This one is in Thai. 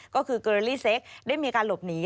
ก็คือเกอเรลลี่เซ็กได้มีการหลบหนี